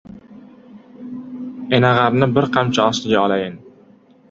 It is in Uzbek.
— Enag‘arni bir qamchi ostiga olayin!